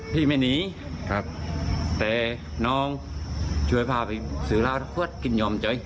พี่ไม่หนีแต่น้องช่วยพาไปสื่อราวทะควดกินยอมเฉย